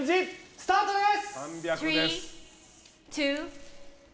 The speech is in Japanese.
スタートです！